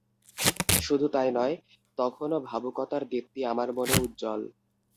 শুধু তাই নয়, তখনো ভাবুকতার দীপ্তি আমার মনে উজ্জ্বল।